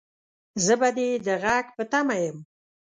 زه به دې د غږ په تمه يم